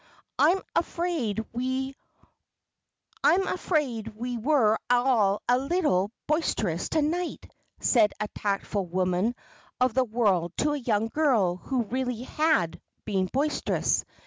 "I'm afraid we were all a little boisterous to night," said a tactful woman of the world to a young girl who really had been boisterous.